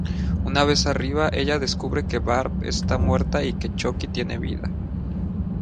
Una vez arriba, ella descubre que Barb está muerta y que Chucky tiene vida.